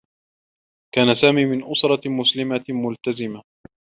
كان سامي من أسرة مسلمة ملتزمة.